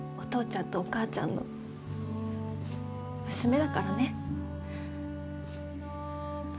ちゃんとお母ちゃんの娘だからね。